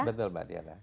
betul mbak diana